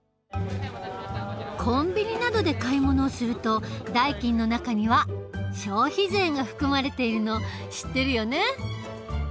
コンビニなどで買い物をすると代金の中には消費税が含まれているの知ってるよね。